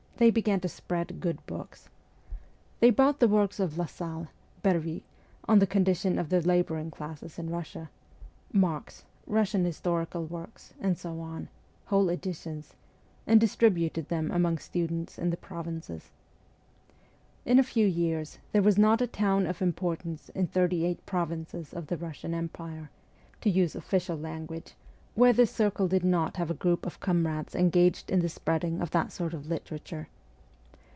They began to spread good books. They bought the works of Lassalle, Bervi (on the con dition of the labouring classes in Russia), Marx, Russian historical works, and so on whole editions and distributed them among students in the provinces. In a few years there was not a town of importance in ' thirty eight provinces of the Russian Empire,' to use official language, where this circle did not have a group of comrades engaged in the spreading of that sort of literature.